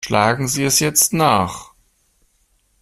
Schlagen Sie es jetzt nach!